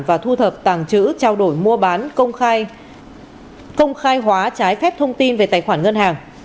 và thu thập tàng chữ trao đổi mua bán công khai công khai hóa trái phép thông tin về tài khoản ngân hàng